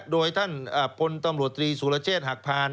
โดยท่านพลตำรวจตรีสุรเชษฐ์หักพาน